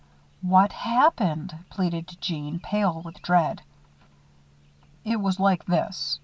"What happened?" pleaded Jeanne, pale with dread. "It was like this.